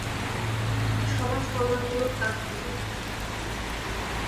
তিনি সমাজকল্যাণমূলক কাজ করতে থাকেন।